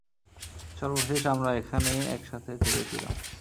সর্বশেষ আমরা এখানেই একসাথে থেকেছিলাম।